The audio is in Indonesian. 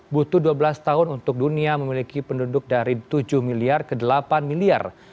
butuh dua belas tahun untuk dunia memiliki penduduk dari tujuh miliar ke delapan miliar